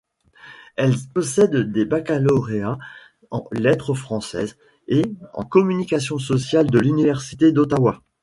Elle possède des baccalauréats en Lettres françaises et en Communication sociale de l'Université d’Ottawa.